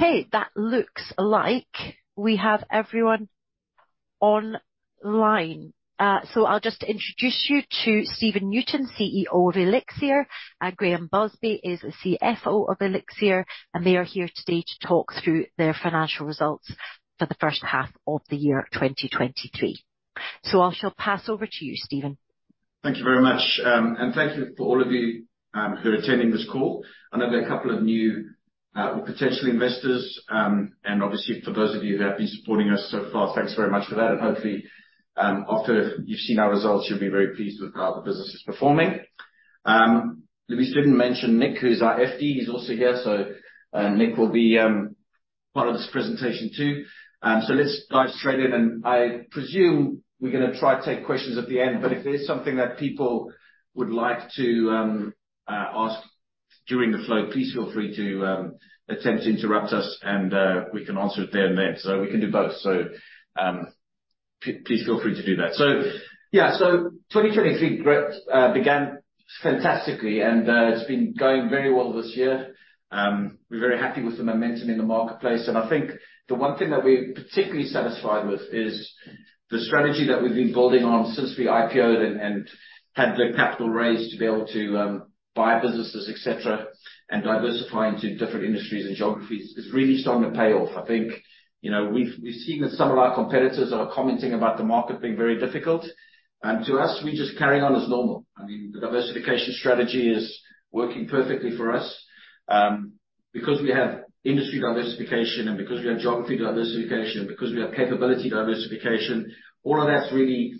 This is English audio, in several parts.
Okay, that looks like we have everyone online. So I'll just introduce you to Stephen Newton, CEO of Elixirr, and Graham Busby is the CFO of Elixirr, and they are here today to talk through their financial results for the first half of the year, 2023. I shall pass over to you, Stephen. Thank you very much, and thank you for all of you, who are attending this call. I know there are a couple of new, potential investors, and obviously for those of you who have been supporting us so far, thanks very much for that. And hopefully, after you've seen our results, you'll be very pleased with how the business is performing. Louise didn't mention Nick, who's our FD. He's also here, so, Nick will be, part of this presentation, too. So let's dive straight in, and I presume we're gonna try to take questions at the end, but if there's something that people would like to, ask during the flow, please feel free to, attempt to interrupt us and we can answer it there and then. We can do both. Please feel free to do that in 2023, great began fantastically and it's been going very well this year. We're very happy with the momentum in the marketplace and I think the one thing that we're particularly satisfied with is the strategy that we've been building on since we IPO and had the capital raise to be able to buy businesses, et cetera, and diversify into different industries and geographies is really starting to pay off. I think, we've seen that some of our competitors are commenting about the market being very difficult, and to us, we just carry on as normal. I mean, the diversification strategy is working perfectly for us, because we have industry diversification, and because we have geography diversification, and because we have capability diversification, all of that's really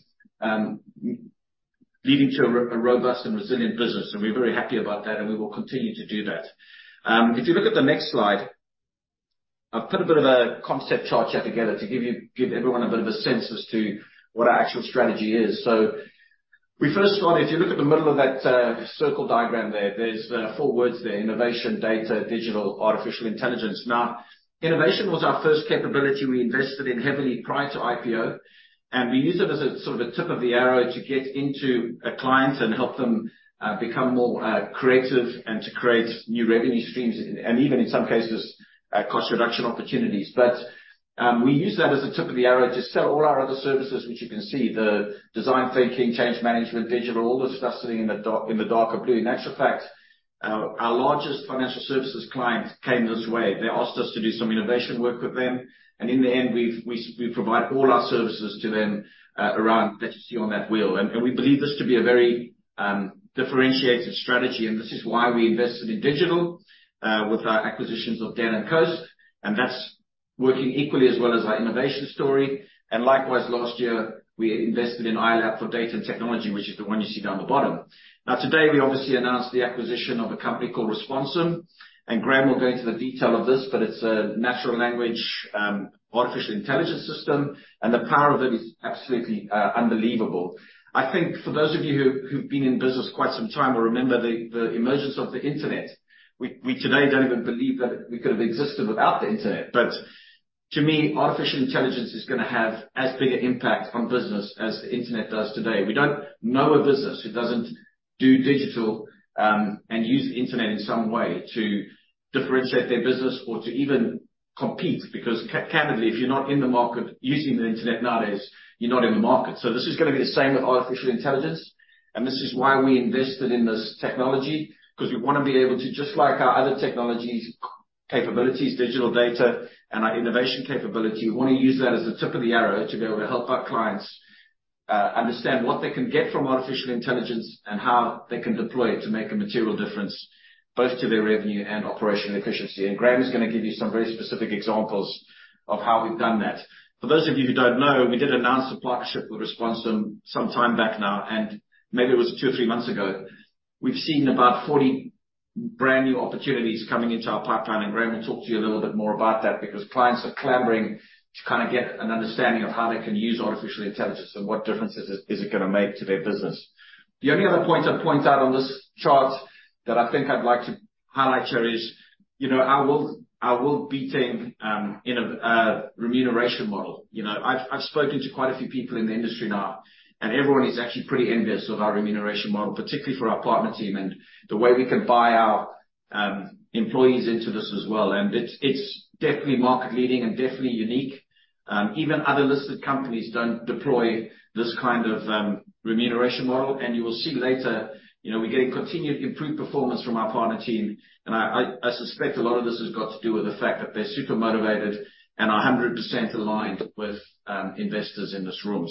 leading to a robust and resilient business, and we're very happy about that, and we will continue to do that. If you look at the next slide, I've put a bit of a concept chart here together to give everyone a bit of a sense to what our actual strategy is. We first started, if you look at the middle of that circle diagram there, there's four words there: innovation, data, digital, and artificial intelligence. Now, innovation was our first capability we invested in heavily prior to IPO, and we use it as a sort of a tip of the arrow to get into a client and help them become more creative and to create new revenue streams, and even in some cases cost reduction opportunities. But we use that as a tip of the arrow to sell all our other services, which you can see, the design thinking, change management, digital, all the stuff sitting in the dark, in the darker blue. In actual fact our largest financial services client came this way. They asked us to do some innovation work with them, and in the end, we provide all our services to them around that you see on that wheel. We believe this to be a very differentiated strategy, and this is why we invested in digital with our acquisitions of Den and Coast, and that's working equally as well as our innovation story. And likewise, last year, we invested in iOLAP for data and technology, which is the one you see down the bottom. Now, today, we obviously announced the acquisition of a company called Responsum, and Graham will go into the detail of this, but it's a natural language artificial intelligence system, and the power of it is absolutely unbelievable. I think for those of you who've been in business quite some time will remember the emergence of the Internet. We today don't even believe that we could have existed without the Internet. But to me, artificial intelligence is gonna have as big an impact on business as the Internet does today. We don't know a business who doesn't do digital, and use the Internet in some way to differentiate their business or to even compete, because candidly, if you're not in the market using the Internet nowadays, you're not in the market. This is gonna be the same with artificial intelligence, and this is why we invested in this technology, 'cause we wanna be able to, just like our other technologies, capabilities, digital data, and our innovation capability, we wanna use that as a tip of the arrow to be able to help our clients, understand what they can get from artificial intelligence and how they can deploy it to make a material difference, both to their revenue and operational efficiency. Graham is gonna give you some very specific examples of how we've done that. For those of you who don't know, we did announce a partnership with Responsum some time back now, and maybe it was two or three months ago. We've seen about 40 brand-new opportunities coming into our pipeline, and Graham will talk to you a little bit more about that because clients are clamoring to kind of get an understanding of how they can use artificial intelligence and what difference is it gonna make to their business. The only other point I'd point out on this chart that I think I'd like to highlight here is, I will, I will be taking in a remuneration model. I've spoken to quite a few people in the industry now, and everyone is actually pretty envious of our remuneration model, particularly for our partner team and the way we can buy our employees into this as well. And it's definitely market leading and definitely unique. Even other listed companies don't deploy this kind of remuneration model, and you will see later, we're getting continued improved performance from our partner team, and I suspect a lot of this has got to do with the fact that they're super motivated and are a hundred percent aligned with investors in this room.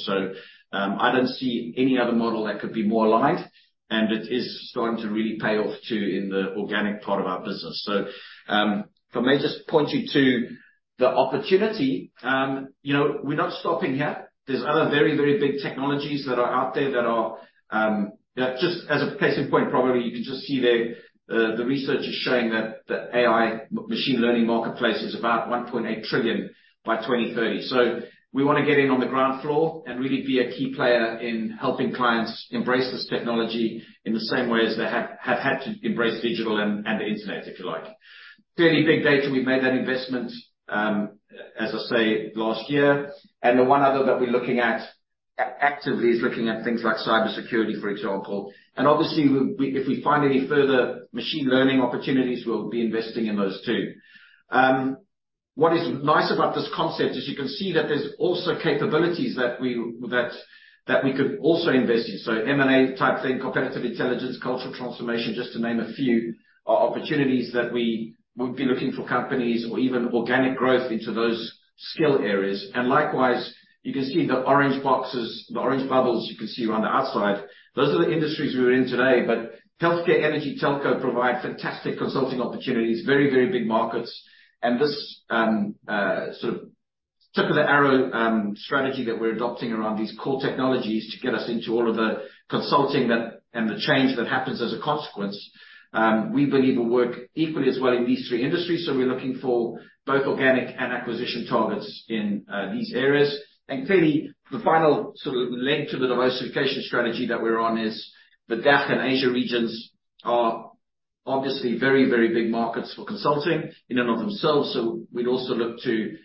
I don't see any other model that could be more aligned, and it is starting to really pay off, too, in the organic part of our business. So, if I may just point you to the opportunity, we're not stopping here. There's other very, very big technologies that are out there that are just as a case in point, probably you can just see there, the research is showing that the AI machine learning marketplace is about $1.8 trillion by 2030. So we wanna get in on the ground floor and really be a key player in helping clients embrace this technology in the same way as they have had to embrace digital and the Internet, if you like. Clearly, big data, we've made that investment, as I say, last year, and the one other that we're looking at actively is looking at things like cybersecurity, for example. And obviously, we if we find any further machine learning opportunities, we'll be investing in those, too. What is nice about this concept is you can see that there's also capabilities that we could also invest in. So M&A type thing, competitive intelligence, cultural transformation, just to name a few, are opportunities that we would be looking for companies or even organic growth into those skill areas. And likewise, you can see the orange boxes, the orange bubbles you can see around the outside, those are the industries we're in today. But healthcare, energy, telco provide fantastic consulting opportunities. Very big markets. And this sort of tip of the arrow strategy that we're adopting around these core technologies to get us into all of the consulting that, and the change that happens as a consequence, we believe will work equally as well in these three industries. We're looking for both organic and acquisition targets in these areas and clearly, the final sort of link to the diversification strategy that we're on is the DACH and Asia regions are obviously very, very big markets for consulting in and of themselves, so we'd also look to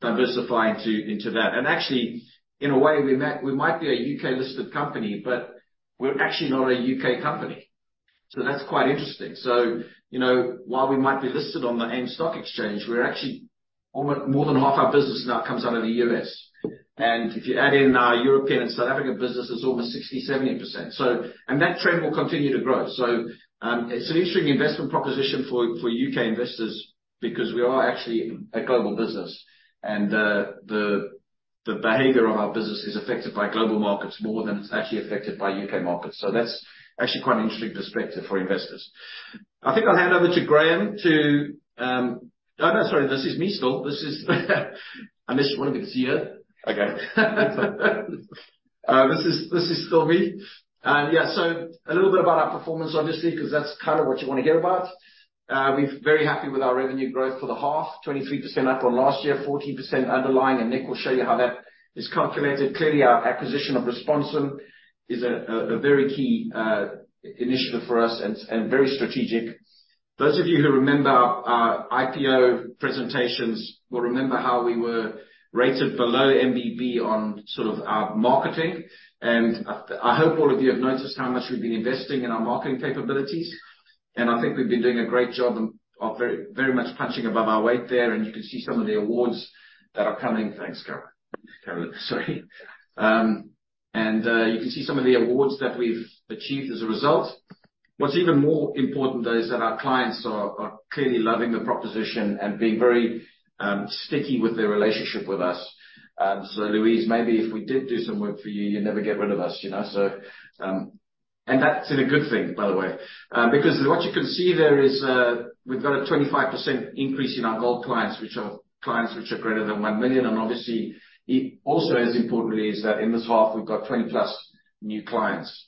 diversify into that. And actually, in a way, we might, we might be a UK-listed company, but we're actually not a UK company. So that's quite interesting. So, while we might be listed on the AIM Stock Exchange, we're actually almost. More than half our business now comes out of the U.S. and if you add in our European and South African business, it's almost 60%-70%. So, and that trend will continue to grow. So, it's an interesting investment proposition for, for UK investors because we are actually a global business, and, the, the behavior of our business is affected by global markets more than it's actually affected by UK markets, so that's actually quite an interesting perspective for investors. I think I'll hand over to Graham to. Oh, no, sorry, this is me still. This is unless you want me to see it? Okay. This is, this is still me. Yeah, so a little bit about our performance, obviously, 'cause that's kind of what you want to hear about. We're very happy with our revenue growth for the half. 23% up on last year, 14% underlying, and Nick will show you how that is calculated. Clearly, our acquisition of Responsum is a very key initiative for us and very strategic. Those of you who remember our IPO presentations will remember how we were rated below MBB on sort of our marketing, and I hope all of you have noticed how much we've been investing in our marketing capabilities, and I think we've been doing a great job and are very, very much punching above our weight there. And you can see some of the awards that are coming. Thanks, Caroline, sorry and you can see some of the awards that we've achieved as a result. What's even more important, though, is that our clients are clearly loving the proposition and being very sticky with their relationship with us. Louise, maybe if we did do some work for you, you'd never get rid of us and that's a good thing. By the way, because what you can see there is, we've got a 25% increase in our gold clients. Which are clients which are greater than £ 1 million and obviously, it also, as importantly, is that in this half, we've got 20+ new clients.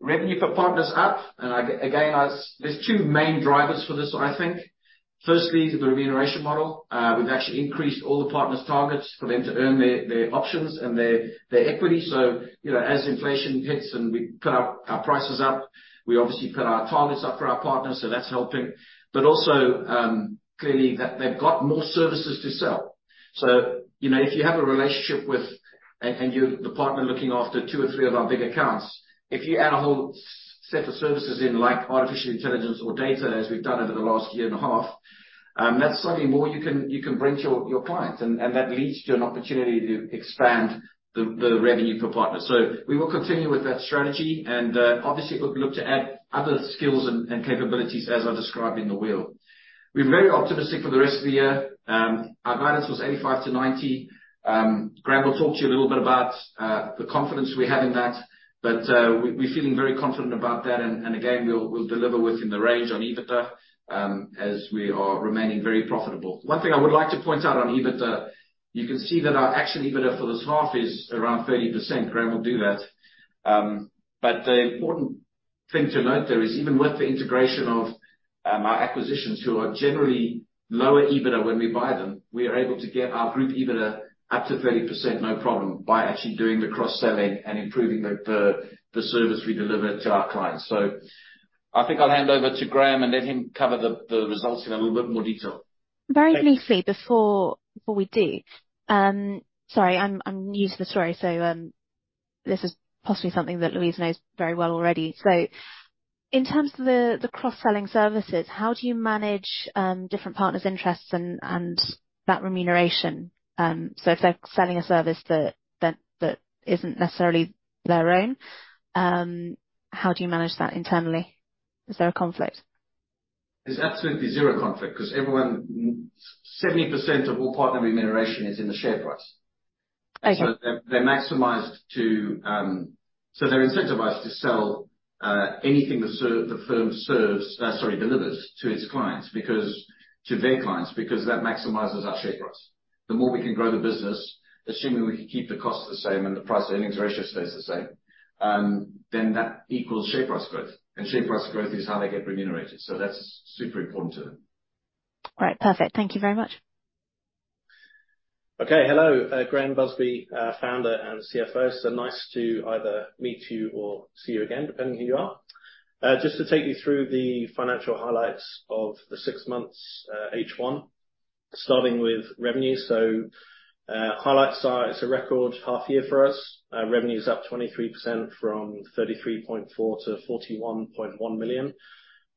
Revenue for partners up, and I, again, there's two main drivers for this one, I think. Firstly, the remuneration model. We've actually increased all the partners' targets for them to earn their, their options and their, their equity. So, as inflation hits and we put our, our prices up, we obviously put our targets up for our partners, so that's helping. But also, clearly, they've, they've got more services to sell. So, if you have a relationship with, and, and you're the partner looking after two or three of our big accounts, if you add a whole set of services in, like artificial intelligence or data, as we've done over the last year and a half, that's suddenly more you can, you can bring to your, your clients, and, and that leads to an opportunity to expand the, the revenue per partner. We will continue with that strategy, and, obviously, we'll look to add other skills and, and capabilities, as I described in the wheel. We're very optimistic for the rest of the year. Our guidance was £ 85-90. Graham will talk to you a little bit about the confidence we have in that, but we're feeling very confident about that, and again, we'll deliver within the range on EBITDA, as we are remaining very profitable. One thing I would like to point out on EBITDA, you can see that our actual EBITDA for this half is around 30%. Graham will do that. But the important thing to note there is, even with the integration of our acquisitions, who are generally lower EBITDA when we buy them, we are able to get our group EBITDA up to 30% no problem, by actually doing the cross-selling and improving the service we deliver to our clients. I think I'll hand over to Graham and let him cover the results in a little bit more detail. Very briefly, before we do. Sorry, I'm new to the story, so this is possibly something that Louise knows very well already. In terms of the cross-selling services, how do you manage different partners' interests and that remuneration? So if they're selling a service that isn't necessarily their own, how do you manage that internally? Is there a conflict? There's absolutely zero conflict because everyone. 70% of all partner remuneration is in the share price. Okay. So they're incentivized to sell anything the firm delivers to their clients, because that maximizes our share price. The more we can grow the business, assuming we can keep the costs the same and the price-to-earnings ratio stays the same, then that equals share price growth. And share price growth is how they get remunerated, so that's super important to them. Great. Perfect. Thank you very much. Okay. Hello, Graham Busby, founder and CFO. So nice to either meet you or see you again, depending on who you are. Just to take you through the financial highlights of the 6 months, H1. Starting with revenue. So, highlights are, it's a record half year for us. Revenue is up 23% from £ 33.4 million to £ 41.1 million.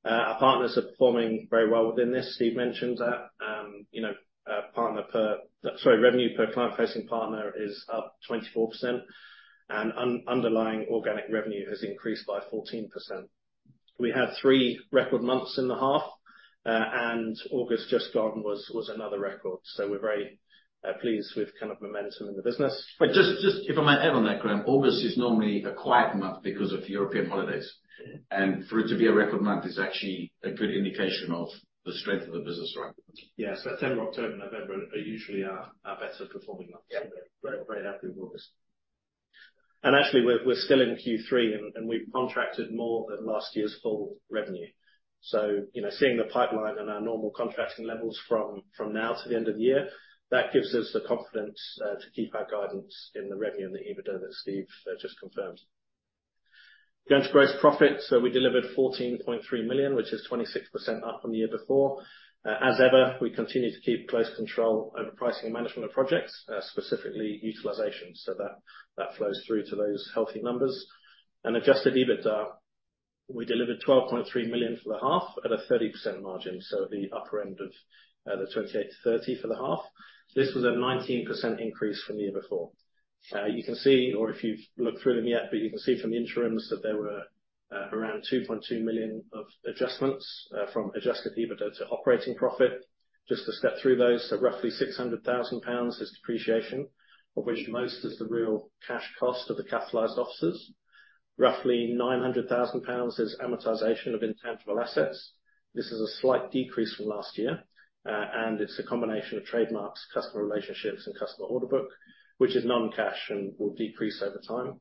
Our partners are performing very well within this. Steph mentioned that, sorry, revenue per client-facing partner is up 24%, and underlying organic revenue has increased by 14%. We had 3 record months in the half, and August just gone was another record. So we're very pleased with kind of momentum in the business. Just, if I might add on that, Graham, August is normally a quiet month because of European holidays, and for it to be a record month is actually a good indication of the strength of the business right now. Yes. September, October, November are usually our, our better performing months. Yeah. We're very happy with August. And actually, we're still in Q3, and we've contracted more than last year's full revenue. Seeing the pipeline and our normal contracting levels from now to the end of the year, that gives us the confidence to keep our guidance in the revenue and the EBITDA that Steph just confirmed. Going to gross profit, so we delivered £ 14.3 million, which is 26% up from the year before. As ever, we continue to keep close control over pricing and management of projects, specifically utilization, so that flows through to those healthy numbers. And adjusted EBITDA, we delivered £ 12.3 million for the half at a 30% margin, so at the upper end of the 28%-30% for the half. This was a 19% increase from the year before. You can see, or if you've looked through them yet, but you can see from the interims that there were around £ 2.2 million of adjustments from adjusted EBITDA to operating profit. Just to step through those, so roughly £ 600,000 is depreciation, of which most is the real cash cost of the capitalized offices. Roughly £ 900,000 is amortization of intangible assets. This is a slight decrease from last year, and it's a combination of trademarks, customer relationships, and customer order book, which is non-cash and will decrease over time.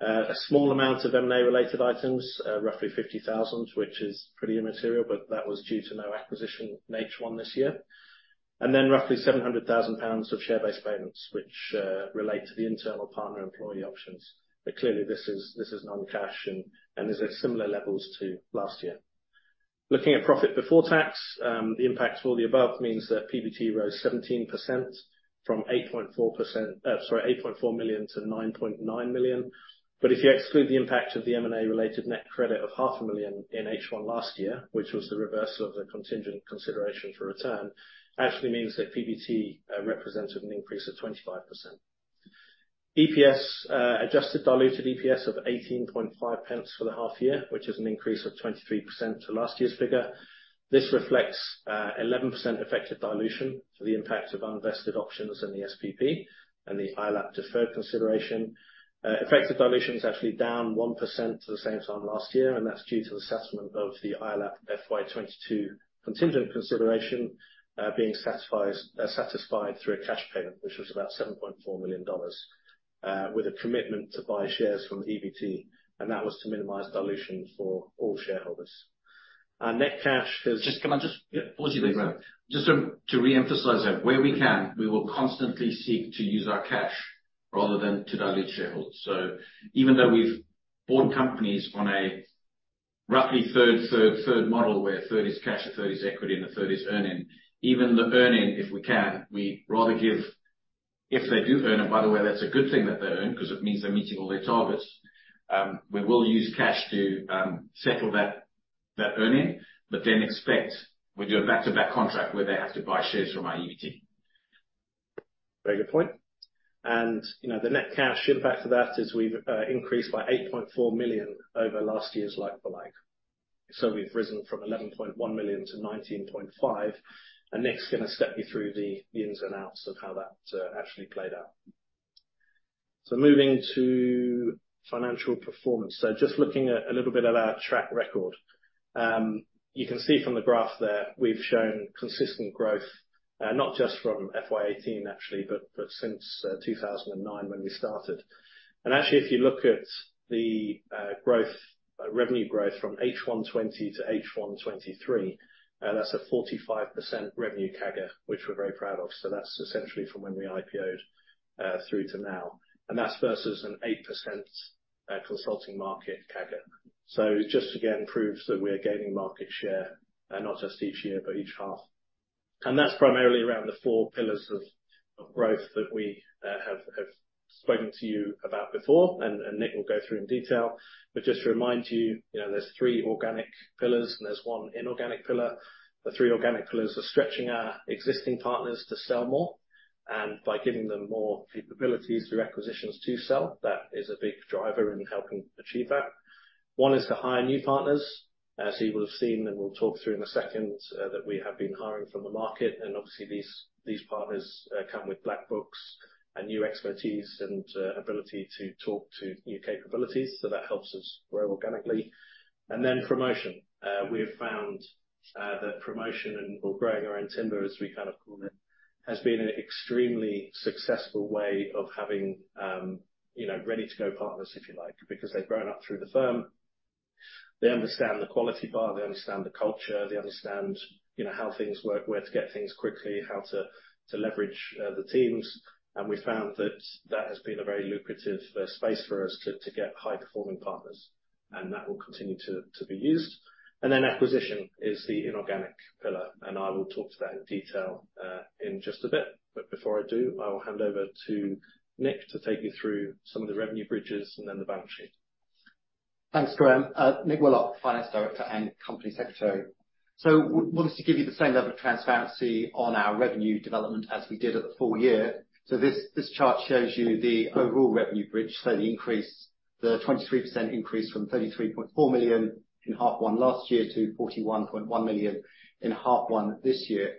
A small amount of M&A-related items, roughly £ 50,000, which is pretty immaterial, but that was due to no acquisition in H1 this year. Then roughly £ 700,000 of share-based payments, which relate to the internal partner employee options. But clearly, this is non-cash and is at similar levels to last year. Looking at profit before tax, the impact of all the above means that PBT rose 17% from £ 8.4 million to £ 9.9 million. But if you exclude the impact of the M&A-related net credit of £ 0.5 million in H1 last year, which was the reversal of the contingent consideration for Retearn, actually means that PBT represented an increase of 25%. EPS, adjusted diluted EPS of 18.5 pence for the half year, which is an increase of 23% to last year's figure. This reflects 11% effective dilution to the impact of unvested options in the SPP and the iOLAP deferred consideration. Effective dilution is actually down 1% to the same time last year, and that's due to the settlement of the iOLAP FY 2022 contingent consideration being satisfied through a cash payment, which was about $7.4 million, with a commitment to buy shares from the EBT, and that was to minimize dilution for all shareholders. Our net cash has- Just, can I just- Yeah. Pardon you there, Graham? Just to reemphasize that, where we can, we will constantly seek to use our cash rather than to dilute shareholders. So even though we've bought companies on a roughly third, third, third model, where a third is cash, a third is equity, and a third is earning, even the earning, if we can, we'd rather give. If they do earn, and by the way, that's a good thing that they earn because it means they're meeting all their targets, we will use cash to settle that earning, but then expect we do a back-to-back contract where they have to buy shares from our EBT. Very good point. And, the net cash impact of that is we've increased by £ 8.4 million over last year's like-for-like. So we've risen from £ 11.1 million to £ 19.5 million, and Nick's going to step you through the ins and outs of how that actually played out. So moving to financial performance. So just looking at a little bit at our track record. You can see from the graph there, we've shown consistent growth, not just from FY 2018, actually, but since 2009 when we started. And actually, if you look at the growth, revenue growth from H1 2020 to H1 2023, that's a 45% revenue CAGR, which we're very proud of. So that's essentially from when we IPO through to now. And that's versus an 8% consulting market CAGR. So just again, proves that we're gaining market share, not just each year, but each half. And that's primarily around the four pillars of growth that we have spoken to you about before, and Nick will go through in detail. But just to remind you, there's three organic pillars and there's one inorganic pillar. The three organic pillars are stretching our existing partners to sell more, and by giving them more capabilities through acquisitions to sell, that is a big driver in helping achieve that. One is to hire new partners, as you will have seen, and we'll talk through in a second, that we have been hiring from the market, and obviously these, these partners, come with black books and new expertise and, ability to talk to new capabilities, so that helps us grow organically. And then promotion. We have found, that promotion and/or growing our own timber, as we kind of call it, has been an extremely successful way of having, ready-to-go partners, if you like, because they've grown up through the firm. They understand the quality bar, they understand the culture, they understand, how things work, where to get things quickly, how to, to leverage, the teams. And we found that that has been a very lucrative, space for us to, to get high-performing partners.. That will continue to be used. And then acquisition is the inorganic pillar, and I will talk to that in detail in just a bit. But before I do, I will hand over to Nick to take you through some of the revenue bridges and then the balance sheet. Thanks, Graham. Nick Willott, Finance Director and Company Secretary. We'll just give you the same level of transparency on our revenue development as we did at the full year. This chart shows you the overall revenue bridge, the 23% increase from £ 33.4 million in half one last year to £ 41.1 million in half one this year.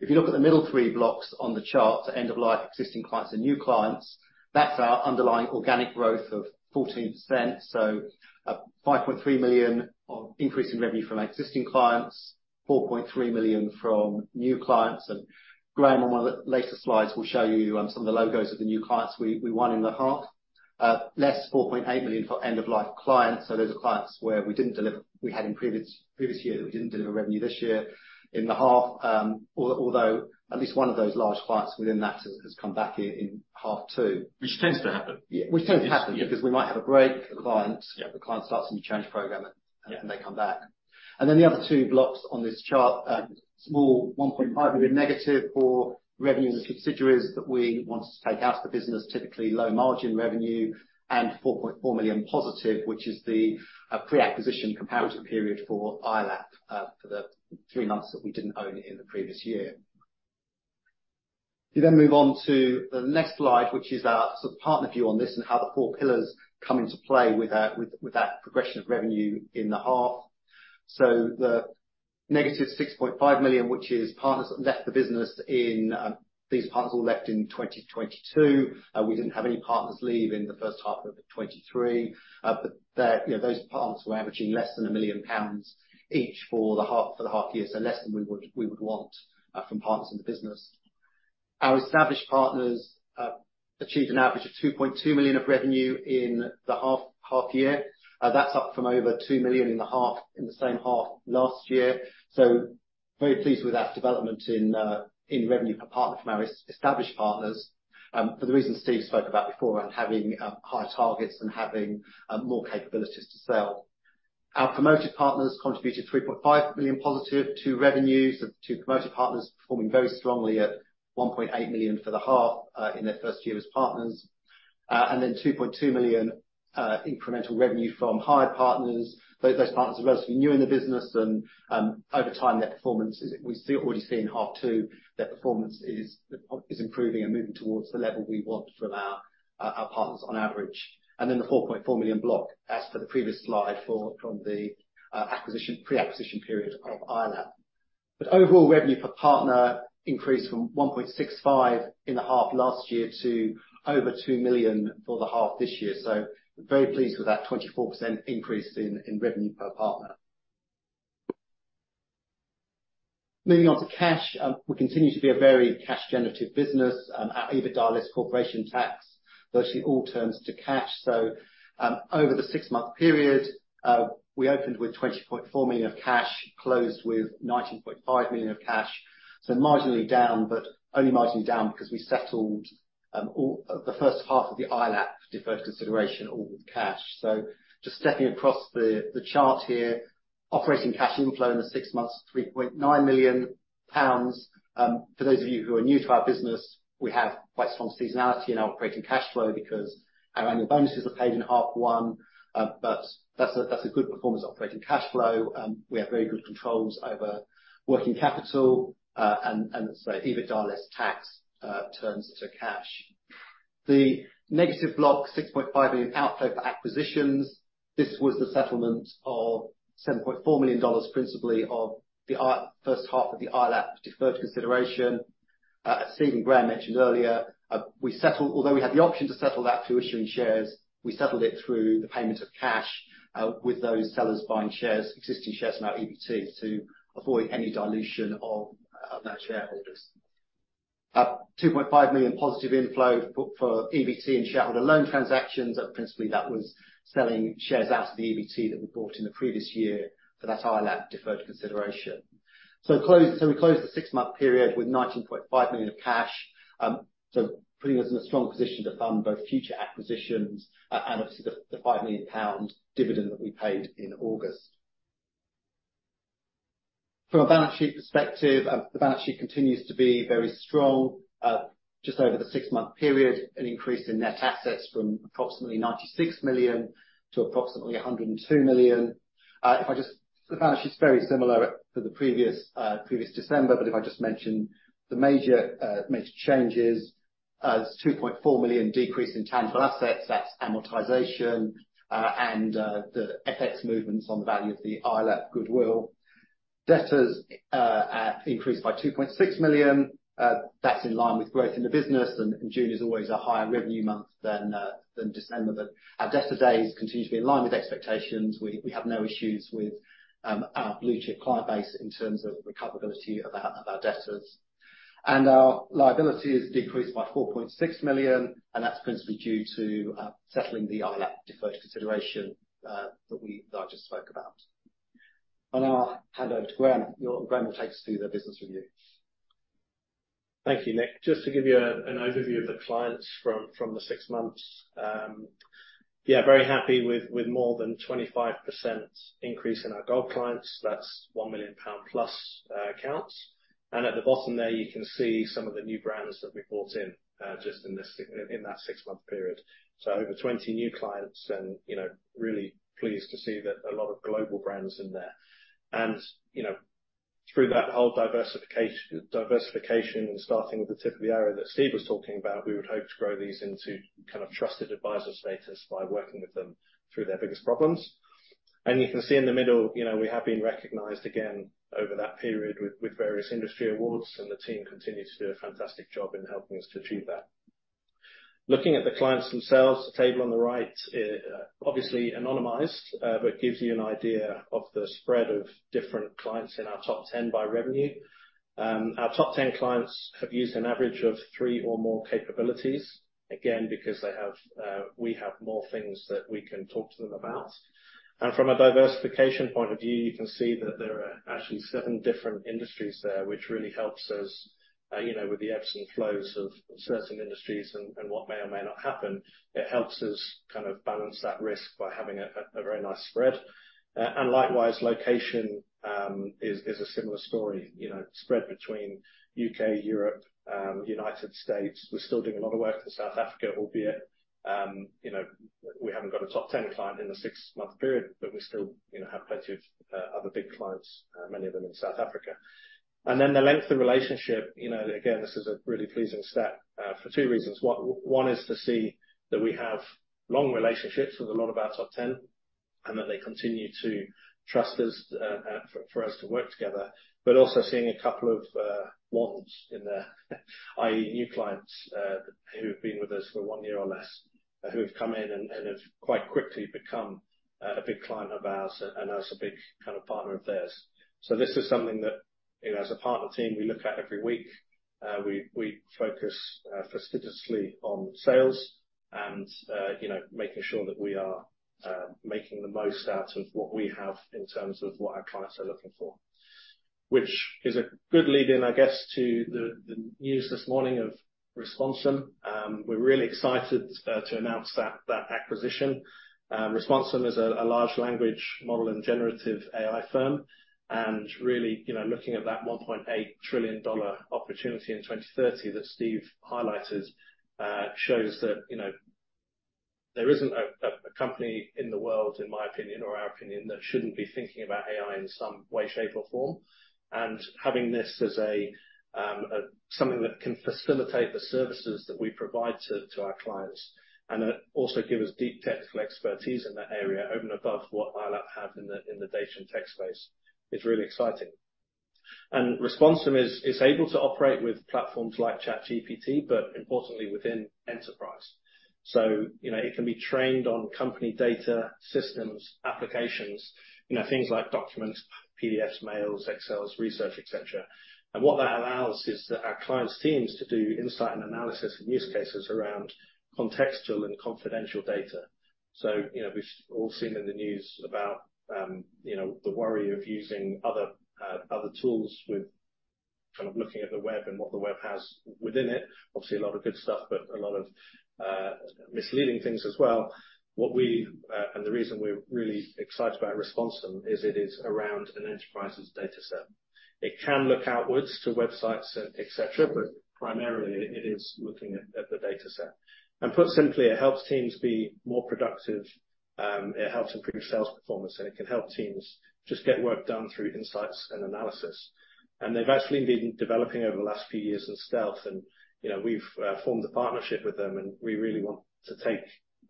If you look at the middle three blocks on the chart, the end of life, existing clients and new clients, that's our underlying organic growth of 14%. Five point three million of increase in revenue from existing clients, four point three million from new clients. And Graham, on one of the later slides, will show you some of the logos of the new clients we won in the half. Less £ 4.8 million for end of life clients. So those are clients where we didn't deliver. We had in previous year that we didn't deliver revenue this year in the half. Although at least one of those large clients within that has come back in half two. Which tends to happen. Which tends to happen- Yes. because we might have a break. The client- The client starts a new change program, and they come back. Then the other two blocks on this chart, small £ 1.5 million negative for revenue and subsidiaries that we wanted to take out of the business, typically low margin revenue and £ 4.4 million positive, which is the pre-acquisition comparative period for iOLAP, for the three months that we didn't own it in the previous year. We then move on to the next slide, which is our sort of partner view on this and how the four pillars come into play with that, with that progression of revenue in the half. The negative £ 6.5 million, which is partners that left the business in. These partners all left in 2022. We didn't have any partners leave in the first half of 2023. But that, those partners were averaging less than £ 1 million each for the half year, so less than we would want from partners in the business. Our established partners achieved an average of £ 2.2 million of revenue in the half year. That's up from over £ 2 million in the half in the same half last year. So very pleased with that development in revenue per partner from our established partners, for the reasons Steph spoke about before, around having higher targets and having more capabilities to sell. Our promoted partners contributed £ 3.5 million positive to revenues, with 2 promoted partners performing very strongly at £ 1.8 million for the half in their first year as partners. And then £ 2.2 million incremental revenue from hired partners. Those partners are relatively new in the business and over time, their performance is we see, already see in half two, their performance is improving and moving towards the level we want from our partners on average. And then the £ 4.4 million block, as per the previous slide, from the acquisition, pre-acquisition period of iOLAP. But overall revenue per partner increased from £ 1.65 in the half last year to over £ 2 million for the half this year. So very pleased with that 24% increase in revenue per partner. Moving on to cash. We continue to be a very cash generative business. Our EBITDA less corporation tax, virtually all turns to cash. So, over the 6 month period, we opened with £ 20.4 million of cash, closed with £ 19.5 million of cash. So marginally down, but only marginally down because we settled all the first half of the iOLAP deferred consideration, all with cash. Just stepping across the chart here. Operating cash inflow in the six months, £ 3.9 million. For those of you who are new to our business, we have quite strong seasonality in our operating cash flow because our annual bonuses are paid in half one. But that's a good performance operating cash flow, and we have very good controls over working capital, and so EBITDA less tax turns to cash. The negative block, £ 6.5 million outflow for acquisitions. This was the settlement of $7.4 million, principally the first half of the iOLAP deferred consideration. As Steph and Graham mentioned earlier, we settled although we had the option to settle that through issuing shares, we settled it through the payment of cash, with those sellers buying shares, existing shares in our EBT, to avoid any dilution of our net shareholders. $2.5 million positive inflow for EBT and shareholder loan transactions, and principally that was selling shares out of the EBT that we bought in the previous year for that iOLAP deferred consideration. So close. So we closed the six-month period with £ 19.5 million of cash, so putting us in a strong position to fund both future acquisitions and, obviously, the £ 5 million dividend that we paid in August. From a balance sheet perspective, the balance sheet continues to be very strong. Just over the 6 month period, an increase in net assets from approximately £ 96 million to approximately £ 102 million. The balance sheet is very similar to the previous December, but if I just mention the major changes, it's 2.4 million decrease in tangible assets. That's amortization and the FX movements on the value of the iOLAP goodwill. Debtors increased by 2.6 million. That's in line with growth in the business, and June is always a higher revenue month than December. But our debtor days continue to be in line with expectations. We have no issues with our blue-chip client base in terms of recoverability of our debtors. Our liabilities decreased by £ 4.6 million, and that's principally due to settling the iOLAP deferred consideration that I just spoke about. I'll now hand over to Graham. Graham will take us through the business review. Thank you, Nick. Just to give you an overview of the clients from the 6 months very happy with more than 25% increase in our gold clients. That's £ 1 million plus accounts. And at the bottom there, you can see some of the new brands that we've brought in, just in that 6 month period. Over 20 new clients and, really pleased to see that a lot of global brands in there. And, through that whole diversification and starting with the tip of the arrow that Steph was talking about, we would hope to grow these into kind of trusted advisor status by working with them through their biggest problems. You can see in the middle, we have been recognized again over that period with various industry awards, and the team continues to do a fantastic job in helping us to achieve that. Looking at the clients themselves, the table on the right is obviously anonymized, but gives you an idea of the spread of different clients in our top 10 by revenue. Our top 10 clients have used an average of three or more capabilities, again, because they have, we have more things that we can talk to them about. And from a diversification point of view, you can see that there are actually seven different industries there, which really helps us, with the EBBS and flows of certain industries and what may or may not happen. It helps us kind of balance that risk by having a very nice spread. And likewise, location is a similar story, spread between UK, Europe, United States. We're still doing a lot of work in South Africa, albeit, we haven't got a top ten client in the six-month period, but we still, have plenty of other big clients, many of them in South Africa. And then the length of the relationship, again, this is a really pleasing stat for two reasons. One, one is to see that we have long relationships with a lot of our top 10, and that they continue to trust us, for, for us to work together, but also seeing a couple of, ones in there, new clients, who've been with us for 1 year or less, who've come in and, and have quite quickly become, a big client of ours and, and us a big kind of partner of theirs. So this is something that, as a partner team, we look at every week. We, we focus, fastidiously on sales and, making sure that we are, making the most out of what we have in terms of what our clients are looking for. Which is a good lead in, I guess, to the, the news this morning of Responsum. We're really excited to announce that acquisition. Responsum is a large language model and generative AI firm, and really, looking at that $1.8 trillion opportunity in 2030 that Steph highlighted, shows that, there isn't a company in the world, in my opinion or our opinion, that shouldn't be thinking about AI in some way, shape, or form. And having this as something that can facilitate the services that we provide to our clients, and then also give us deep technical expertise in that area, over and above what iOLAP have in the data and tech space, is really exciting. And Responsum is able to operate with platforms like ChatGPT, but importantly, within enterprise. So, it can be trained on company data, systems, applications, things like documents, PDFs, mails, Excels, research, et cetera. And what that allows is that our clients' teams to do insight and analysis and use cases around contextual and confidential data. So, we've all seen in the news about, the worry of using other tools with kind of looking at the web and what the web has within it. Obviously, a lot of good stuff, but a lot of misleading things as well. And the reason we're really excited about Responsum is it is around an enterprise's data set. It can look outwards to websites, et cetera, but primarily it is looking at the data set. Put simply, it helps teams be more productive. It helps improve sales performance, and it can help teams just get work done through insights and analysis. They've actually been developing over the last few years in stealth. we've formed a partnership with them, and we really want to take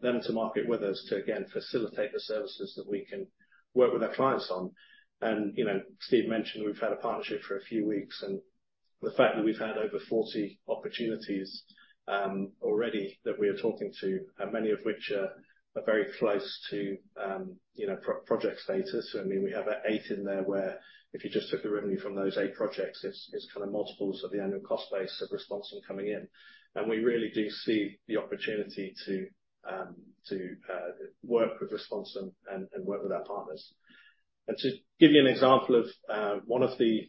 them to market with us to, again, facilitate the services that we can work with our clients on. Steph mentioned we've had a partnership for a few weeks, and the fact that we've had over 40 opportunities already that we are talking to, and many of which are very close to, project status. I mean, we have eight in there, where if you just took the revenue from those eight projects, it's kind of multiples of the annual cost base of Responsum coming in. And we really do see the opportunity to work with Responsum and work with our partners. And to give you an example of one of the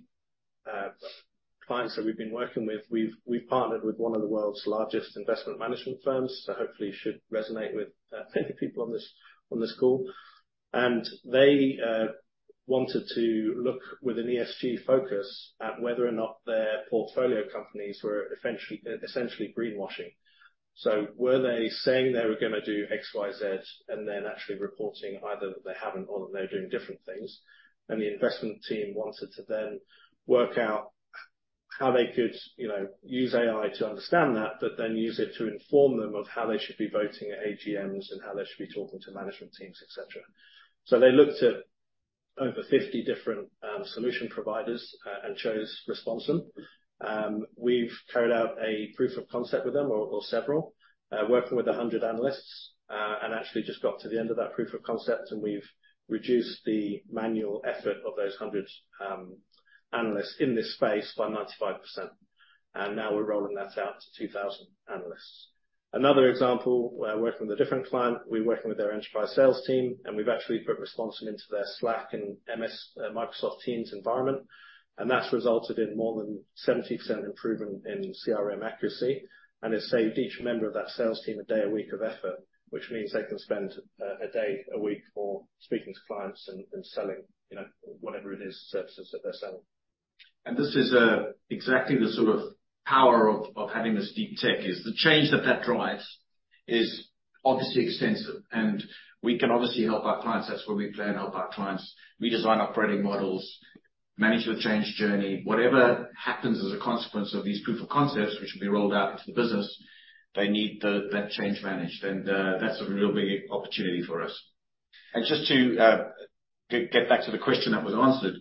clients that we've been working with, we've partnered with one of the world's largest investment management firms, so hopefully should resonate with many people on this call. And they wanted to look with an ESG focus at whether or not their portfolio companies were eventually, essentially greenwashing. So were they saying they were gonna do X, Y, Z, and then actually reporting either that they haven't or that they're doing different things. The investment team wanted to then work out how they could, use AI to understand that, but then use it to inform them of how they should be voting at AGMs and how they should be talking to management teams, et cetera. They looked at over 50 different solution providers and chose Responsum. We've carried out a proof of concept with them or several working with 100 analysts and actually just got to the end of that proof of concept, and we've reduced the manual effort of those 100 analysts in this space by 95%, and now we're rolling that out to 2,000 analysts. Another example, working with a different client, we're working with their enterprise sales team, and we've actually put Responsum into their Slack and Microsoft Teams environment, and that's resulted in more than 70% improvement in CRM accuracy, and it's saved each member of that sales team a day a week of effort, which means they can spend a day a week speaking to clients and selling, whatever it is, services that they're selling. This is exactly the sort of power of having this deep tech, the change that that drives is obviously extensive, and we can obviously help our clients. That's where we plan to help our clients. We design operating models, manage the change journey. Whatever happens as a consequence of these proof of concepts, which will be rolled out into the business, they need that change managed. That's a real big opportunity for us. Just to get back to the question that was answered,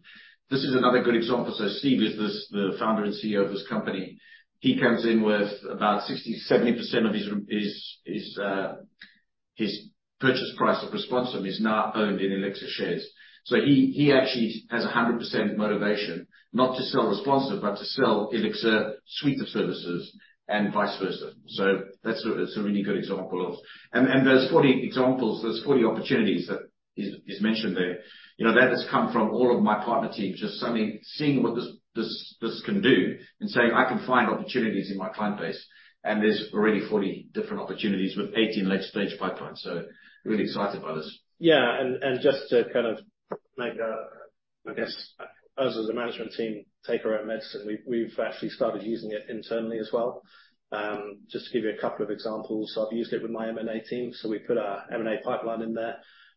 this is another good example. So Steph is the founder and CEO of this company. He comes in with about 60-70% of his purchase price of Responsum now owned in Elixirr shares. So he, he actually has 100% motivation not to sell Responsum, but to sell Elixirr suite of services and vice versa. So that's a, that's a really good example of. And, and there's 40 examples, there's 40 opportunities that he's, he's mentioned there. that has come from all of my partner team, just suddenly seeing what this, this, this can do and saying, "I can find opportunities in my client base," and there's already 40 different opportunities with 18 late-stage pipelines. So really excited by this. Yeah, and just to kind of make a, I guess, us, as a management team, take our own medicine, we've actually started using it internally as well. Just to give you a couple of examples, I've used it with my M&A team. So we put our M&A pipeline in there,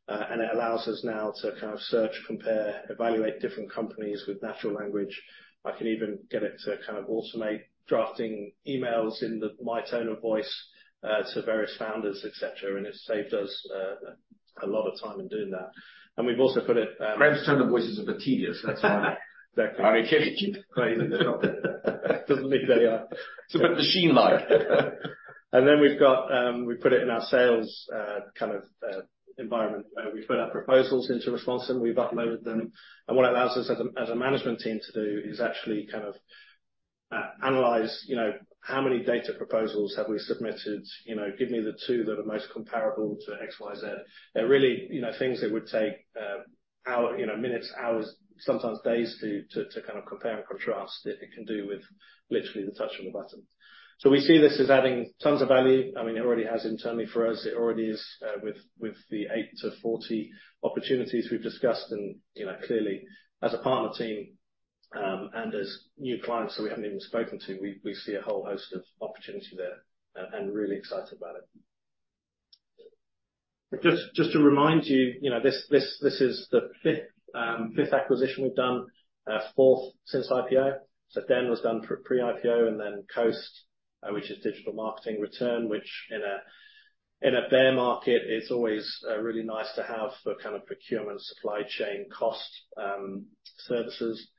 and it allows us now to kind of search, compare, evaluate different companies with natural language. I can even get it to kind of automate drafting emails in my tone of voice to various founders, et cetera, and it's saved us a lot of time in doing that. And we've also put it, Graham's tone of voice is a bit tedious. That's why. Exactly. I mean, crazy, good job. Doesn't need any. It's a bit machine-like. Then we've got, we put it in our sales kind of environment. We put our proposals into Responsum, we've uploaded them, and what it allows us as a management team to do is actually kind of analyze, how many data proposals have we submitted? give me the two that are most comparable to X, Y, Z. They're really, things that would take hour, minutes, hours, sometimes days to kind of compare and contrast. It can do with literally the touch of a button. So we see this as adding tons of value. I mean, it already has internally for us. It already is, with the 8-40 opportunities we've discussed and, clearly as a partner team, and as new clients that we haven't even spoken to, we see a whole host of opportunity there, and really excited about it. Just to remind you, this is the fifth acquisition we've done, fourth since IPO. Den was done pre-IPO and then Coast, which is digital marketing, Retearn, which in a bear market, it's always really nice to have for kind of procurement, supply chain, cost, services.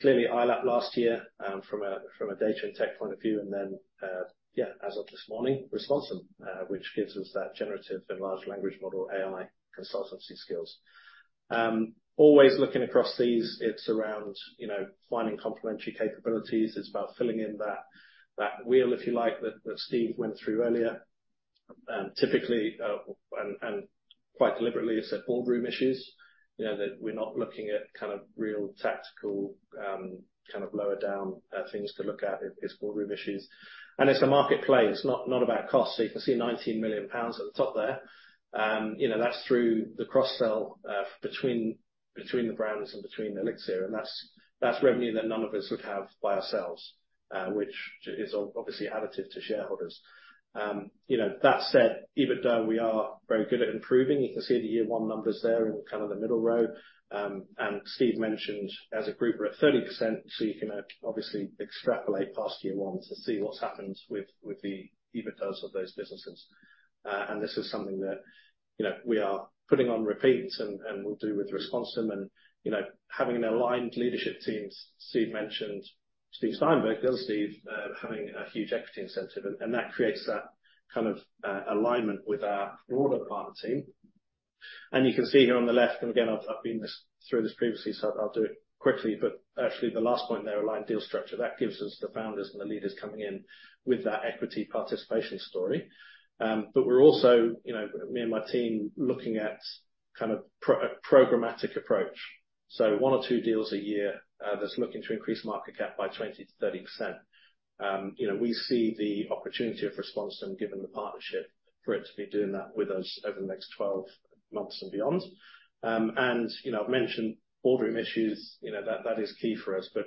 Clearly, iOLAP last year, from a data and tech point of view, and then, yeah, as of this morning, Responsum, which gives us that generative and large language model, AI consultancy skills. Always looking across these, it's around, finding complementary capabilities. It's about filling in that wheel, if you like, that Steph went through earlier. Typically, and quite deliberately, I said boardroom issues, that we're not looking at kind of real tactical, kind of lower down things to look at. It's boardroom issues, and it's a market play. It's not about cost. So you can see £ 19 million at the top there. that's through the cross sell, between the brands and between Elixirr, and that's revenue that none of us would have by ourselves, which is obviously additive to shareholders. that said, EBITDA, we are very good at improving. You can see the year one numbers there in kind of the middle row. And Steph mentioned as a group, we're at 30%, so you can obviously extrapolate past year one to see what's happened with the EBITDA of those businesses. And this is something that, we are putting on repeat and will do with Responsum and, having an aligned leadership team. Steph mentioned, Steph Steinberg, the other Steph, having a huge equity incentive, and that creates that kind of alignment with our broader partner team. And you can see here on the left, and again, I've been through this previously, so I'll do it quickly, but actually the last point there, aligned deal structure, that gives us the founders and the leaders coming in with that equity participation story. But we're also, me and my team looking at kind of a programmatic approach. So 1 or 2 deals a year, that's looking to increase market cap by 20%-30%. we see the opportunity of Responsum, given the partnership, for it to be doing that with us over the next 12 months and beyond. And, I've mentioned boardroom issues, that is key for us, but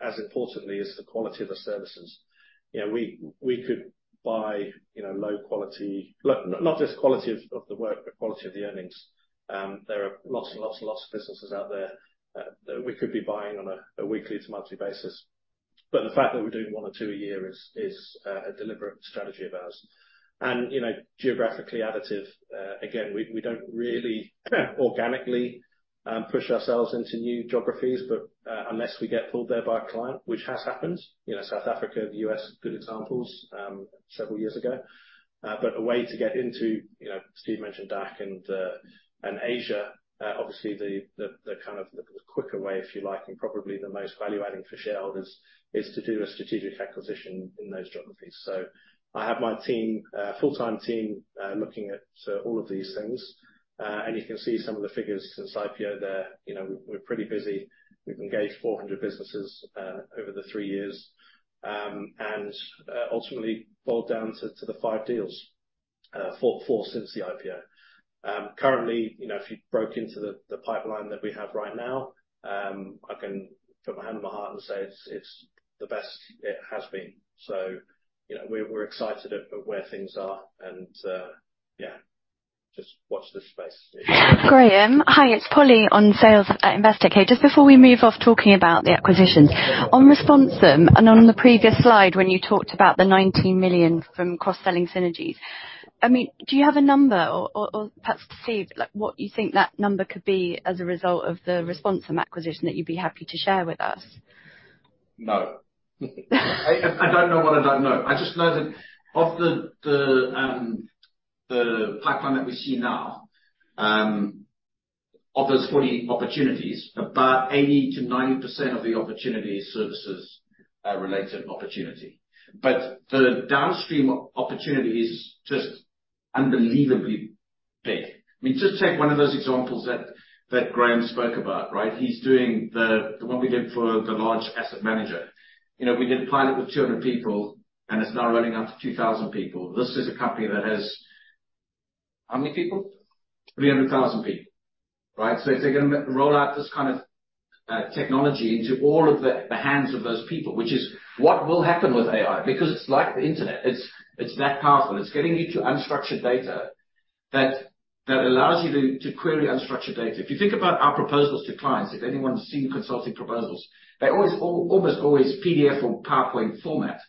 as importantly, is the quality of the services. we could buy, low quality, not just quality of the work, but quality of the earnings. There are lots and lots and lots of businesses out there, that we could be buying on a weekly to monthly basis, but the fact that we're doing one or two a year is a deliberate strategy of ours. geographically additive, again, we don't really organically push ourselves into new geographies, but unless we get pulled there by a client, which has happened. South Africa, the US, good examples, several years ago. But a way to get into, Steph mentioned DACH and Asia. Obviously, the kind of the quicker way, if you like, and probably the most value-adding for shareholders is to do a strategic acquisition in those geographies. So I have my team, full-time team, looking at all of these things. And you can see some of the figures since IPO there. we're pretty busy. We've engaged 400 businesses over the 3 years, and ultimately boiled down to the 5 deals, 4 since the IPO. Currently, if you broke into the pipeline that we have right now, I can put my hand on my heart and say it's the best it has been. So, we're excited at where things are, and yeah, just watch this space. Graham. Hi, it's Polly on sales at Investec. Just before we move off talking about the acquisitions, on Responsum and on the previous slide, when you talked about the £ 19 million from cross-selling synergies, I mean, do you have a number or perhaps, Steph, like, what you think that number could be as a result of the Responsum acquisition that you'd be happy to share with us? No. I don't know what I don't know. I just know that of the pipeline that we see now offers 40 opportunities, about 80%-90% of the opportunity is services related opportunity. But the downstream opportunity is just unbelievably big. I mean, just take one of those examples that Graham spoke about, right? He's doing the one we did for the large asset manager. we did a pilot with 200 people, and it's now running up to 2,000 people. This is a company that has. How many people? 300,000 people, right? So if they're gonna roll out this kind of technology into all of the hands of those people, which is what will happen with AI, because it's like the internet, it's that powerful. It's getting you to unstructured data that allows you to query unstructured data. If you think about our proposals to clients, if anyone's seen consulting proposals, they always, almost always PDF or PowerPoint format.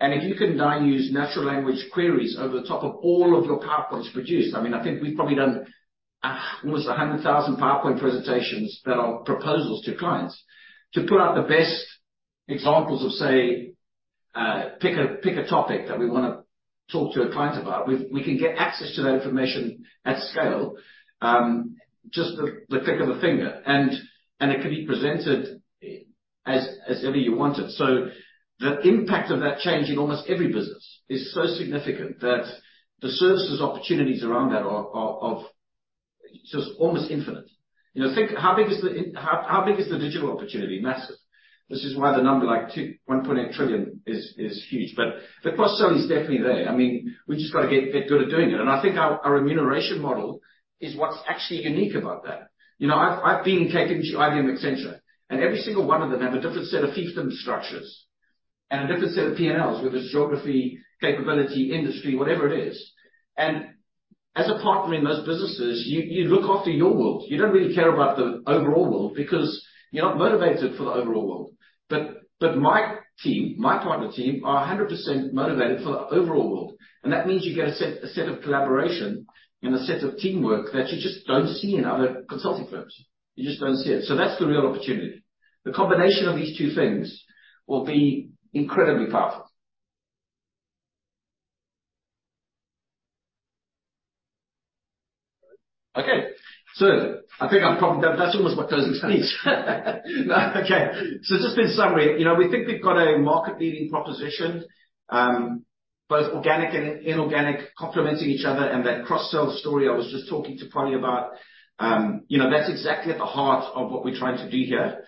And if you can now use natural language queries over the top of all of your PowerPoints produced, I mean, I think we've probably done almost 100,000 PowerPoint presentations that are proposals to clients. To pull out the best examples of, say, pick a topic that we wanna talk to a client about, we can get access to that information at scale, just the flick of a finger, and it can be presented as early you want it. So the impact of that change in almost every business is so significant that the services opportunities around that are of just almost infinite. think, how big is the, how big is the digital opportunity? Massive. This is why the number, like $2.18 trillion, is huge, but the cross-sell is definitely there. I mean, we just got to get good at doing it, and I think our remuneration model is what's actually unique about that. I've been in KPMG, IBM, Accenture, and every single one of them have a different set of fiefdom structures and a different set of PNLs, whether it's geography, capability, industry, whatever it is. As a partner in most businesses, you look after your world. You don't really care about the overall world because you're not motivated for the overall world. But my team, my partner team, are 100% motivated for the overall world. And that means you get a set of collaboration and a set of teamwork that you just don't see in other consulting firms. You just don't see it. So that's the real opportunity. The combination of these two things will be incredibly powerful. Okay, so I think I'm probably. That's almost my closing speech. Okay. So just in summary, we think we've got a market-leading proposition, both organic and inorganic, complementing each other, and that cross-sell story I was just talking to Polly about, that's exactly at the heart of what we're trying to do here.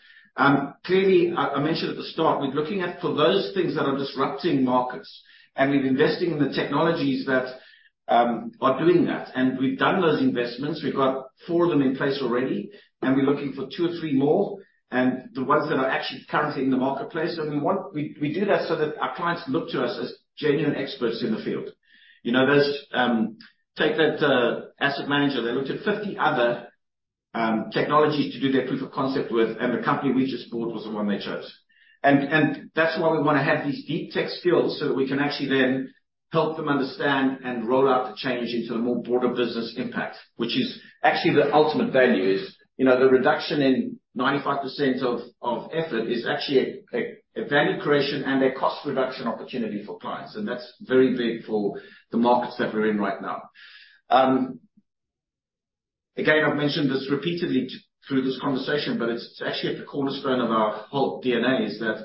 Clearly, I mentioned at the start, we're looking at for those things that are disrupting markets, and we're investing in the technologies that are doing that. And we've done those investments. We've got four of them in place already, and we're looking for two or three more, and the ones that are actually currently in the marketplace. And we want, we, we do that so that our clients look to us as genuine experts in the field. there's. Take that asset manager. They looked at 50 other technologies to do their proof of concept with, and the company we just bought was the one they chose. That's why we wanna have these deep tech skills, so we can actually then help them understand and roll out the change into a more broader business impact, which is actually the ultimate value is, the reduction in 95% of, of effort is actually a, a, a value creation and a cost reduction opportunity for clients, and that's very big for the markets that we're in right now. Again, I've mentioned this repeatedly through this conversation, but it's actually at the cornerstone of our whole DNA, is that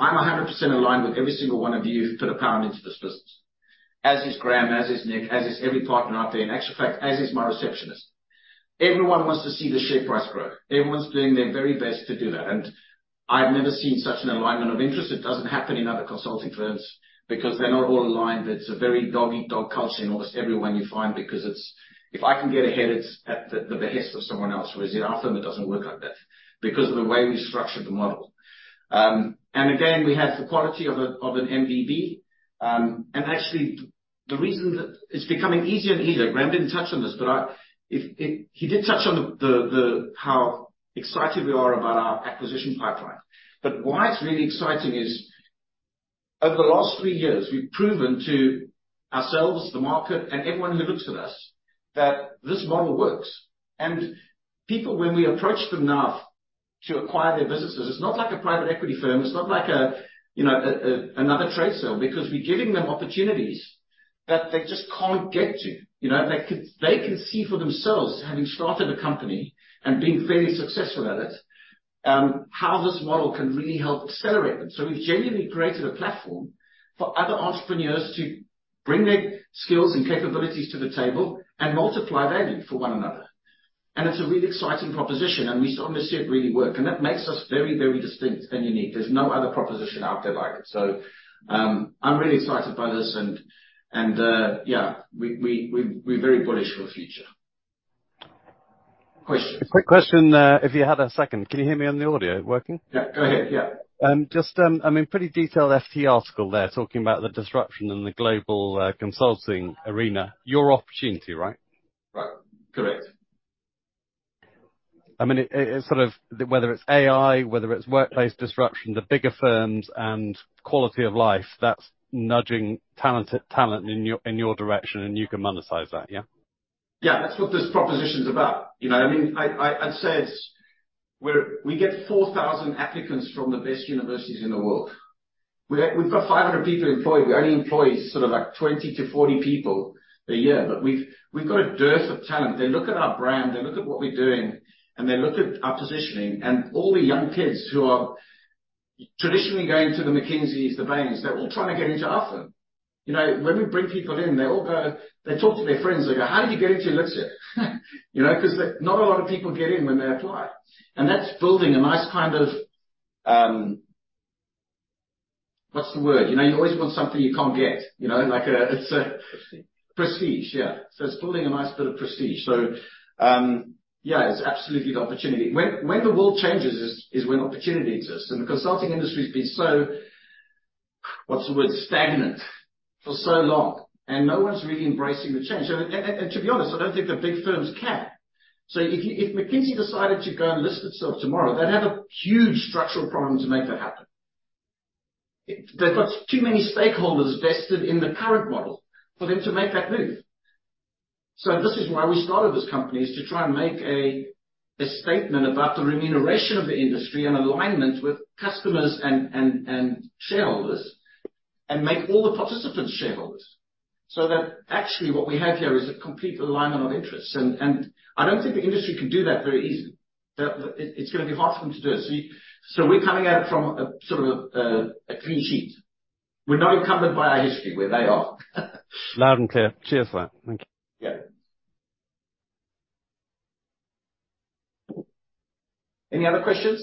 I'm 100% aligned with every single one of you who put a pound into this business, as is Graham, as is Nick, as is every partner out there. In actual fact, as is my receptionist. Everyone wants to see the share price grow. Everyone's doing their very best to do that, and I've never seen such an alignment of interest. It doesn't happen in other consulting firms because they're not all aligned. It's a very dog-eat-dog culture in almost every one you find, because it's, "If I can get ahead, it's at the behest of someone else," whereas in our firm, it doesn't work like that because of the way we structured the model. And again, we have the quality of an MBB. And actually, the reason that it's becoming easier and easier, Graham didn't touch on this, but he did touch on how excited we are about our acquisition pipeline. But why it's really exciting is, over the last three years, we've proven to ourselves, the market, and everyone who looks at us, that this model works. People, when we approach them now to acquire their businesses. It's not like a private equity firm. It's not like a, another trade sale, because we're giving them opportunities that they just can't get to. You know? They can see for themselves, having started a company and being fairly successful at it, how this model can really help accelerate them. So we've genuinely created a platform for other entrepreneurs to bring their skills and capabilities to the table and multiply value for one another. And it's a really exciting proposition, and we sort of see it really work, and that makes us very, very distinct and unique. There's no other proposition out there like it. So, I'm really excited by this and, yeah, we're very bullish for the future. Question? A quick question, if you had a second. Can you hear me on the audio, working? Yeah. Go ahead. Yeah. Just, I mean, pretty detailed FT article there talking about the disruption in the global consulting arena. Your opportunity, right? Right. Correct. I mean, it sort of, whether it's AI, whether it's workplace disruption, the bigger firms and quality of life, that's nudging talent in your direction, and you can monetize that? That's what this proposition is about. I mean, I said we get 4,000 applicants from the best universities in the world. We've got 500 people employed. We only employ sort of like 20-40 people a year, but we've got a dearth of talent. They look at our brand, they look at what we're doing, and they look at our positioning, and all the young kids who are traditionally going to the McKinsey, the Bains, they're all trying to get into Elixirr. when we bring people in, they all go. They talk to their friends, they go, "How do you get into Elixirr?" 'cause not a lot of people get in when they apply. And that's building a nice kind of. What's the word? you always want something you can't get, like a, it's a prestige. Prestige, yeah. So it's building a nice bit of prestige. So, yeah, it's absolutely the opportunity. When the world changes is when opportunity exists. And the consulting industry has been so, what's the word? Stagnant for so long, and no one's really embracing the change. So, and to be honest, I don't think the big firms can. So if McKinsey decided to go and list itself tomorrow, they'd have a huge structural problem to make that happen. They've got too many stakeholders vested in the current model for them to make that move. So this is why we started this company, is to try and make a statement about the remuneration of the industry and alignment with customers and shareholders, and make all the participants shareholders. So that actually what we have here is a complete alignment of interests, and I don't think the industry can do that very easily. It's gonna be hard for them to do it. So we're coming at it from a sort of clean sheet. We're not encumbered by our history, where they are. Loud and clear. Cheers for that. Thank you. Any other questions?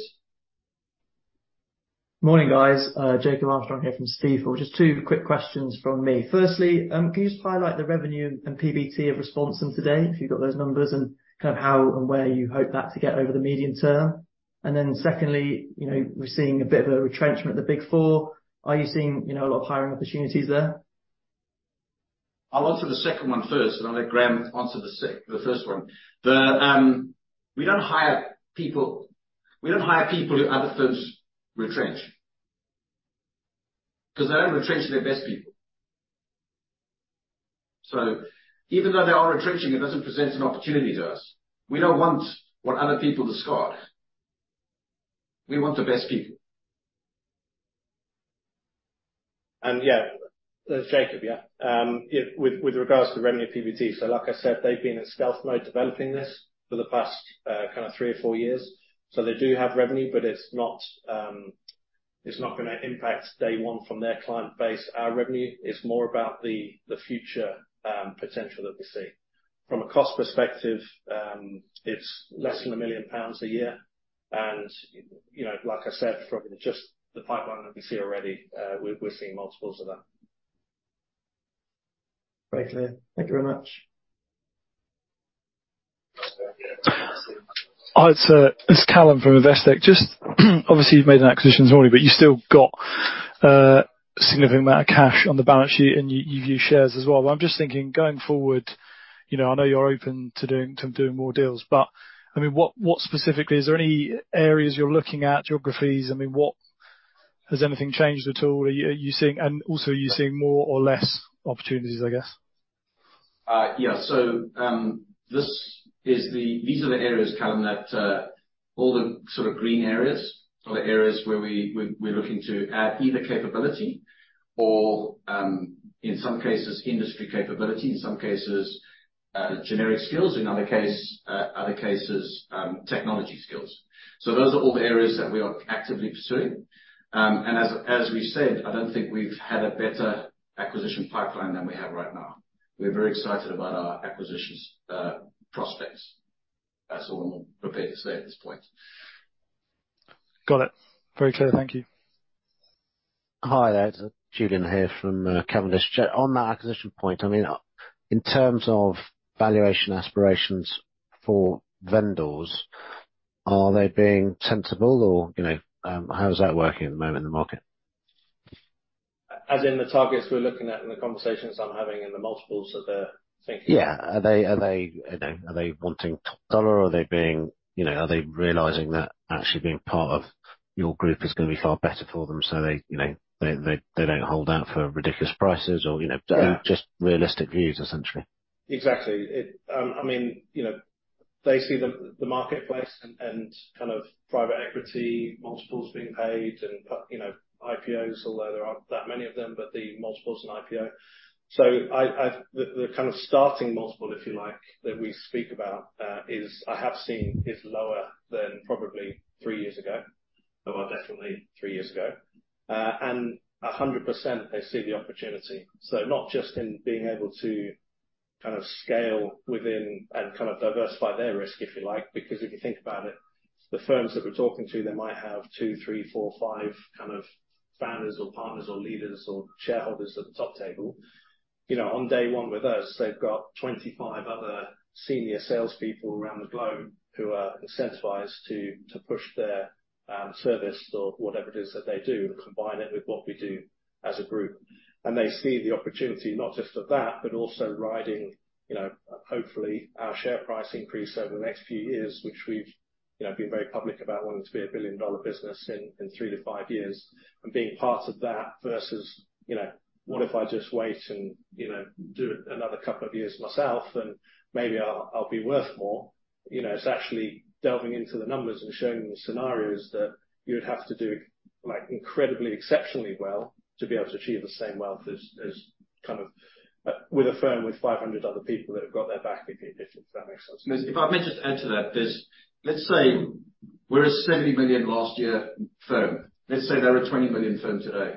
Morning, guys. Jacob Armstrong here from Singer. Just two quick questions from me. Firstly, can you just highlight the revenue and PBT of Responsum today, if you've got those numbers, and kind of how and where you hope that to get over the medium term? And then secondly, we're seeing a bit of a retrenchment at the Big 4. Are you seeing, a lot of hiring opportunities there? I'll answer the second one first, and I'll let Graham answer the first one. We don't hire people, we don't hire people who other firms retrench, 'cause they don't retrench their best people. So even though they are retrenching, it doesn't present an opportunity to us. We don't want what other people discard. We want the best people. Jacob, with regards to the revenue of PBT, so like I said, they've been in stealth mode developing this for the past, kind of three or four years. So they do have revenue, but it's not, it's not gonna impact day one from their client base. Our revenue is more about the, the future, potential that we see. From a cost perspective, it's less than £ 1 million a year, and, like I said, from just the pipeline that we see already, we're seeing multiples of that. Very clear. Thank you very much. Hi, it's Callum from Investec. Just, obviously, you've made an acquisition already, but you've still got a significant amount of cash on the balance sheet, and you've used shares as well. I'm just thinking, going forward, I know you're open to doing more deals, but, I mean, what specifically. Is there any areas you're looking at, geographies? I mean, what has anything changed at all? Are you seeing more or less opportunities, I guess? These are the areas, Callum, that all the sort of green areas, all the areas where we're looking to add either capability or, in some cases, industry capability, in some cases, generic skills, in other cases, technology skills. So those are all the areas that we are actively pursuing. And as we said, I don't think we've had a better acquisition pipeline than we have right now. We're very excited about our acquisitions prospects. That's all I'm prepared to say at this point. Got it. Very clear. Thank you. Hi there, Julian here from Cavendish. On that acquisition point, I mean, in terms of valuation aspirations for vendors, are they being sensible or, how is that working at the moment in the market? As in the targets we're looking at and the conversations I'm having and the multiples that they're thinking of? Yeah. Are they, are they, are they wanting top dollar or are they being. are they realizing that actually being part of your group is gonna be far better for them, so they don't hold out for ridiculous prices or, Just realistic views, essentially. Exactly. It, I mean, they see the marketplace and kind of private equity multiples being paid and, but, IPOs, although there aren't that many of them, but the multiples in IPOs. So I, the kind of starting multiple, if you like, that we speak about, is, I have seen, lower than probably three years ago. Well, definitely three years ago. And 100% they see the opportunity. So not just in being able to kind of scale within and kind of diversify their risk, if you like, because if you think about it, the firms that we're talking to, they might have two, three, four, five kind of founders or partners or leaders or shareholders at the top table? on day one with us, they've got 25 other senior salespeople around the globe who are incentivized to push their service or whatever it is that they do, and combine it with what we do as a group. They see the opportunity, not just for that, but also riding, hopefully, our share price increase over the next few years, which we've, been very public about wanting to be a billion-dollar business in 3-5 years. And being part of that versus, "What if I just wait and, do it another couple of years myself, and maybe I'll be worth more?" it's actually delving into the numbers and showing the scenarios that you would have to do, like, incredibly, exceptionally well to be able to achieve the same wealth as, as, kind of, with a firm with 500 other people that have got their back, if you, if that makes sense. If I may just add to that, there's. Let's say we're a £ 70 million last year firm. Let's say they're a £ 20 million firm today.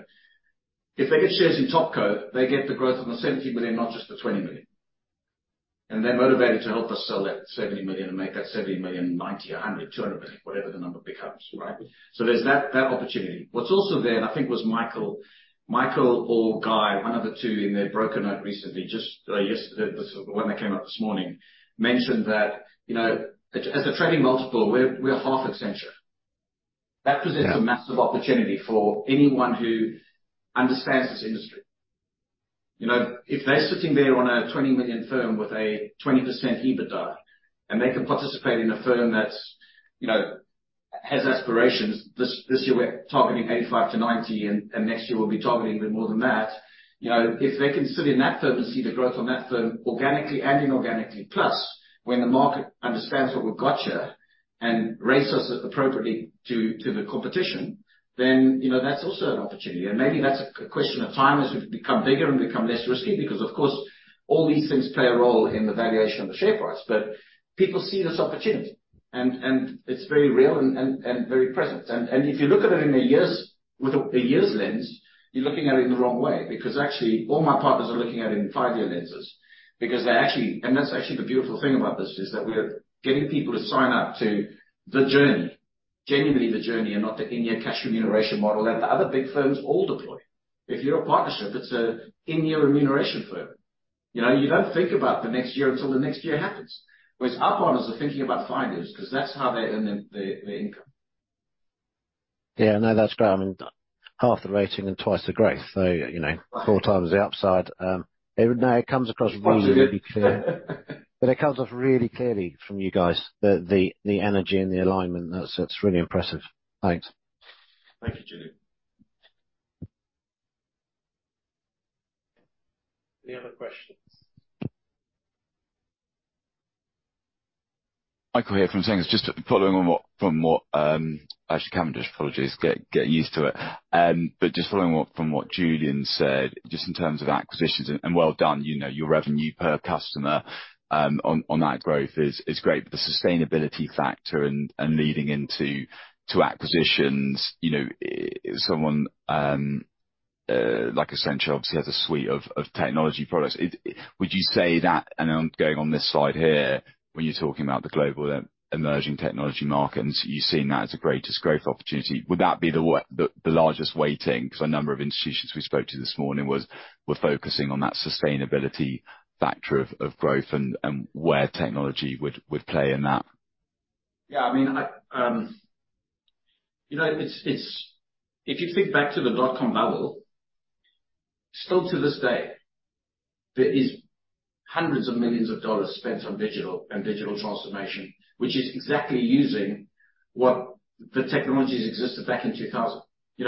If they get shares in Topco, they get the growth on the £ 70 million, not just the £ 20 million. And they're motivated to help us sell that £ 70 million and make that £ 70 million £ 90, £ 100, £ 200 million, whatever the number becomes, right? So there's that, that opportunity. What's also there, and I think it was Michael, Michael or Guy, one of the two, in their broker note recently, just, yesterday, the one that came out this morning, mentioned that, as a trading multiple, we're half Accenture. That presents. A massive opportunity for anyone who understands this industry. if they're sitting there on a £ 20 million firm with a 20% EBITDA, and they can participate in a firm that's, has aspirations. This, this year, we're targeting 85-90, and, and next year we'll be targeting even more than that. if they can sit in that firm and see the growth on that firm, organically and inorganically, plus, when the market understands what we've got here and rates us appropriately to, to the competition, then, that's also an opportunity. And maybe that's a, a question of time as we've become bigger and become less risky, because, of course, all these things play a role in the valuation of the share price. But people see this opportunity, and, and it's very real and, and very present. If you look at it in a year's lens, you're looking at it in the wrong way because actually all my partners are looking at it in five-year lenses. Because they're actually. And that's actually the beautiful thing about this, is that we are getting people to sign up to the journey, genuinely the journey, and not the in-year cash remuneration model that the other big firms all deploy. If you're a partnership, it's an in-year remuneration firm. you don't think about the next year until the next year happens. Whereas our partners are thinking about five years, 'cause that's how they earn their income. No, that's great. I mean, half the rating and twice the growth, so, 4x the upside. It, it comes across really clear. But it comes off really clearly from you guys, the energy and the alignment. That's, it's really impressive. Thanks. Thank you, Julian. Any other questions? Michael here from Zeus. Just following on from what, actually Cavendish, apologies, get used to it. But just following from what Julian said, just in terms of acquisitions, and well done, your revenue per customer on that growth is great. But the sustainability factor and leading into acquisitions, like Accenture, obviously has a suite of technology products. Would you say that, and I'm going on this side here, when you're talking about the global emerging technology markets, you're seeing that as the greatest growth opportunity. Would that be the largest weighting? Because a number of institutions we spoke to this morning were focusing on that sustainability factor of growth and where technology would play in that? Yeah, I mean, I, it's-- If you think back to the dotcom bubble, still to this day, there is hundreds of millions of dollars spent on digital and digital transformation, which is exactly using what the technologies existed back in 2000.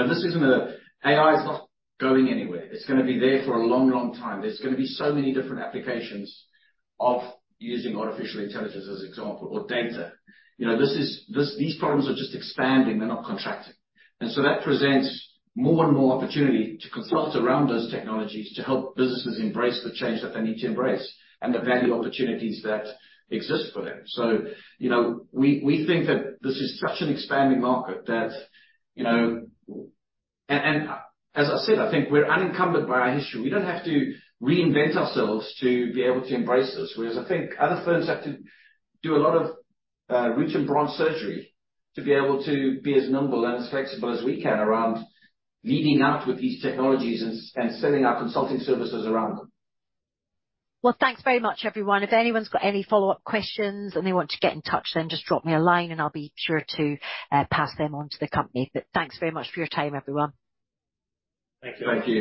this isn't a. AI is not going anywhere. It's gonna be there for a long, long time. There's gonna be so many different applications of using artificial intelligence, as example, or data. this is, this-- these problems are just expanding, they're not contracting. And so that presents more and more opportunity to consult around those technologies, to help businesses embrace the change that they need to embrace and the value opportunities that exist for them. So, we, we think that this is such an expanding market that. As I said, I think we're unencumbered by our history. We don't have to reinvent ourselves to be able to embrace this. Whereas, I think other firms have to do a lot of root-and-branch surgery to be able to be as nimble and as flexible as we can around leading out with these technologies and setting our consulting services around them. Well, thanks very much, everyone. If anyone's got any follow-up questions and they want to get in touch, then just drop me a line and I'll be sure to pass them on to the company. But thanks very much for your time, everyone. Thank you. Thank you.